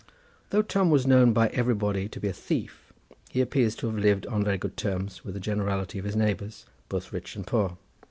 Though Tom was known by everybody to be a thief, he appears to have lived on very good terms with the generality of his neighbours, both rich and poor.